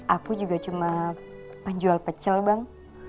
aku juga cuma penjual pecel bang